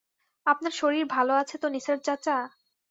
আপনার শরীর ভালো আছে তো নিসার চাচা?